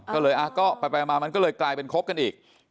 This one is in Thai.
ก็เลยก็ไปมามันก็เลยกลายเป็นคบกันอีก